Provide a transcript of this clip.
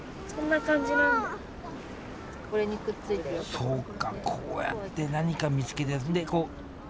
そっかこうやって何か見つけてでこう顕微鏡でね